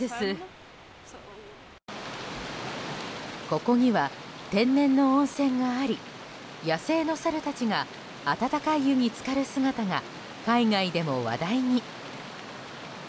ここには天然の温泉があり野生のサルたちが温かい湯につかる姿が海外でも話題に。